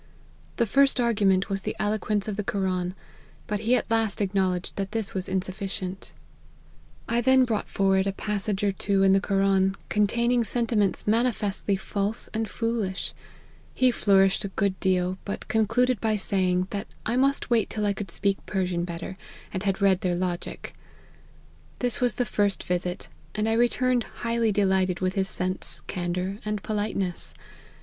His first argument was the eloquence of the Koran ; but he at last acknowledged that this was insufficient. I then brought forward a passage * Or Nabob, the name of an office. K2 114 LIFE OF HENRY MARTYN* or two in the Koran, containing sentiments mani festly false and foolish ; he flourished a good deal, but concluded by saying, that I must wait till I could speak Persian better, and had read their logic. This was the first visit, and I returned highly de lighted with his sense, candour, and politeness.